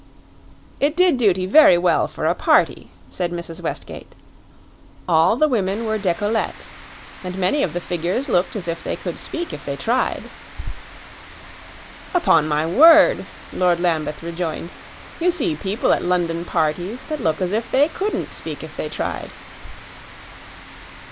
"It did duty very well for a party," said Mrs. Westgate. "All the women were decolletes, and many of the figures looked as if they could speak if they tried." "Upon my word," Lord Lambeth rejoined, "you see people at London parties that look as if they couldn't speak if they tried."